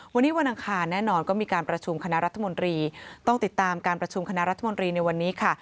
วันนี้วันอังคารแน่นอนก็มีการประชุมคณะรัฐมนตรีต้องติดตามการประชุมคณะรัฐมนตรีในวันนี้ค่ะ